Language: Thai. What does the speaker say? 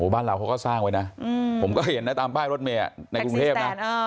บ้านเราเขาก็สร้างไว้นะผมก็เห็นนะตามป้ายรถเมย์ในกรุงเทพนะ